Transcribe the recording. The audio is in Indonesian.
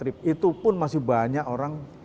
tiga puluh empat trip itu pun masih banyak orang